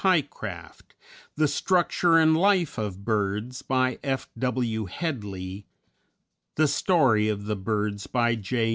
Pycraft; the "Structure and Life of Birds," by F. W. Headley; "The Story of the Birds," by J.